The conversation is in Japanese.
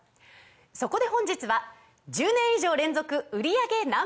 そこで本日は１０年以上連続売り上げＮｏ．１